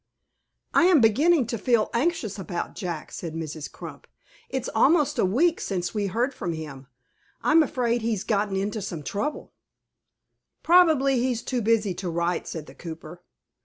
"I AM beginning to feel anxious about Jack," said Mrs. Crump. "It's almost a week since we heard from him. I'm afraid he's got into some trouble." "Probably he's too busy to write," said the cooper.